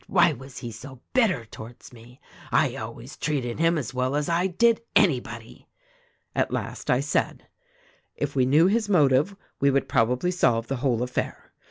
why was he so bitter towards me. I always treated him as well as I did anybody.' "At last I said, 'If we knew his motive we would prob ably solve the whole affair.